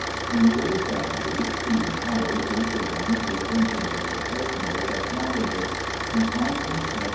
In the early 'seventies, Stephen Powers gave to them the attention of a professional ethnologist, and Constance F.